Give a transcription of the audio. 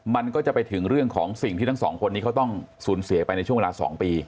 มันก็จะไปถึงเรื่องของสิ่งที่ทั้งสองคนนี้เขาต้องสูญเสียไปในช่วงเวลา๒ปี